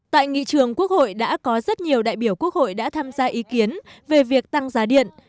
tại nghị trường quốc hội đã có rất nhiều đại biểu quốc hội đã tham gia ý kiến về việc tăng giá điện